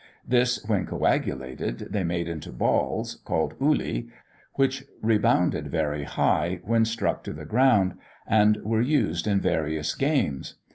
This when coagulated, they made into balls, called ulli, which rebounded very high, when struck to the ground, and were used in various games.